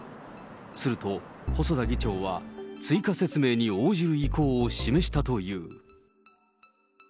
すると、細田議長は追加説明に応じる意向を示したという。